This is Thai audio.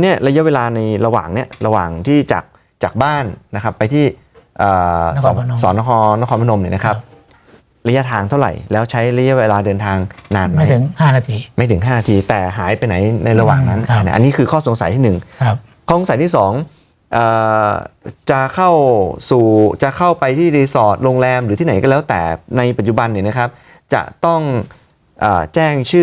เนี้ยระยะเวลาในระหว่างเนี้ยระหว่างที่จากจากบ้านนะครับไปที่เอ่อสอนสอนนครนครพนมเนี้ยนะครับระยะทางเท่าไหร่แล้วใช้ระยะเวลาเดินทางนานไหมไม่ถึงห้านาทีไม่ถึงห้านาทีแต่หายไปไหนในระหว่างนั้นครับอันนี้คือข้อสงสัยที่หนึ่งครับข้อสงสัยที่สองเอ่อจะเข้าสู่จะเข้าไปที่โรงแรมหรือที่ไหนก็แล้วแต่ในปัจจุ